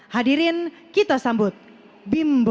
hadirin kita sambut bimbo